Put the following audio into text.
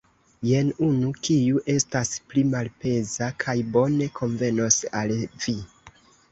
Jen unu, kiu estas pli malpeza kaj bone konvenos al vi.